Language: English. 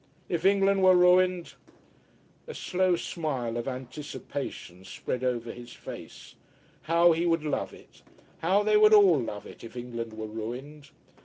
If England were ruined " a slow smile of anticipation spread over his face. How he would love it how they would all love it, if England were ruined.